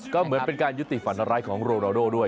ก็เหมือนเป็นการยุติฝันร้ายของโรนาโดด้วย